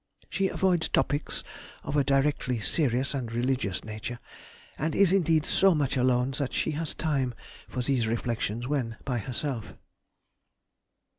She avoids topics of a directly serious and religious nature—and is indeed so much alone that she has time for these reflections when by herself.